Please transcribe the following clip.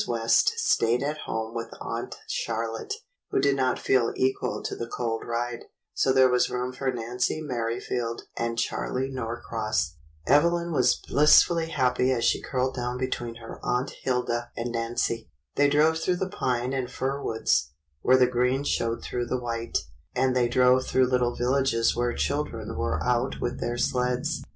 West stayed at home with Aunt Charlotte, who did not feel equal to the cold ride, so there was room for Nancy Merrifield and Charley Norcross. Evelyn was bliss THE THANKSGIVING CANDLE 139 fully happy as she curled down between her Aunt Hilda and Nancy. They drove through the pine and fir woods, where the green showed through the white, and they drove through little villages where children were out with their sleds.